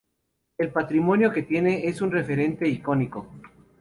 El patrimonio que tiene es un referente icónico".